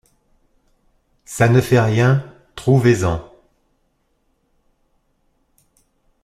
Ça ne fait rien, trouvez-en!